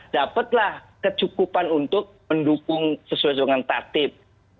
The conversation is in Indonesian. dapatlah kecukupan untuk mendukung sesuai dengan tatib